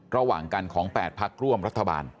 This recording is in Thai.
ระหว่างกันของ๘พักร่วมรัฐบาล